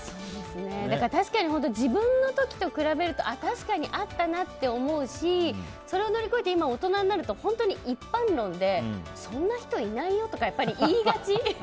確かに本当自分の時と比べると確かにあったなって思うしそれを乗り越えて今、大人になると本当に一般論でそんな人いないよとかやっぱり言いがち。